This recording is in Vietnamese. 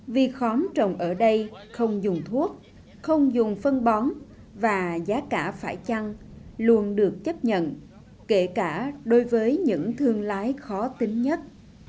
vì khóm trồng ở đây không dùng thuốc không dùng phân bón và giá cả phải chăng luôn được chấp nhận kể cả đối với những thương lái khó tính nhất